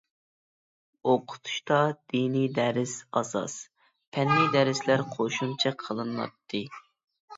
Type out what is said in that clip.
ئوقۇتۇشتا دىنىي دەرس ئاساس، پەننىي دەرسلەر قوشۇمچە قىلىناتتى.